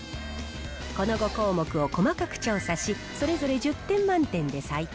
この５項目を細かく調査し、それぞれ１０点満点で採点。